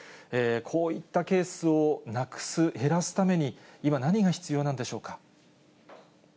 こういったケースをなくす、減らすために今、何が必要なんでしょうか。